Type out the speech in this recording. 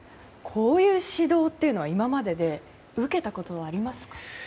こういう指導は今までで受けたことありますか？